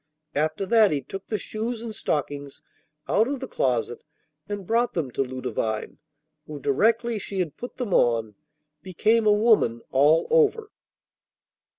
After that he took the shoes and stockings out of the closet and brought them to Ludovine, who, directly she had put them on, became a woman all over.